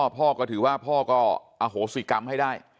พ่อก็ถือว่าพ่อก็อโหสิกรรมให้ได้